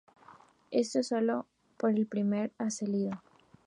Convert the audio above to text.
Esto aun solo por el primer Asedio.